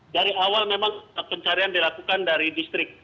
dari awal memang pencarian dilakukan dari distrik